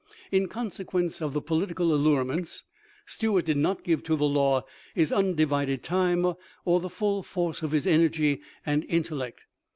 In consequence of the politi cal allurements, Stuart did not give to the law his undivided time or the full force of his energy and intellect.